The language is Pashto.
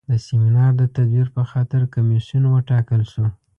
د سیمینار د تدویر په خاطر کمیسیون وټاکل شو.